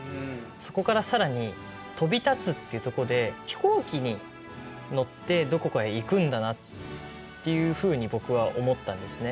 そこから更に「飛び発つ」っていうとこで飛行機に乗ってどこかへ行くんだなっていうふうに僕は思ったんですね。